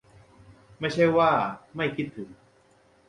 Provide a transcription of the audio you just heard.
ไม่ใช่ว่าไม่คิดถึง